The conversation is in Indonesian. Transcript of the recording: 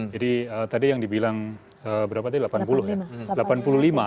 jadi tadi yang dibilang berapa tadi delapan puluh ya